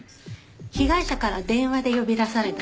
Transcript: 被害者から電話で呼び出されたそうです。